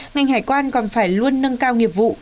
ngành hải quan còn phải luôn nâng cao nghiệp vụ